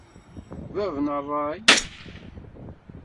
Bab n rray